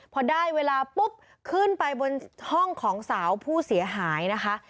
พอได้เวลาปุ๊บขึ้นไปบนห้องของสาวผู้เสียหายนะคะ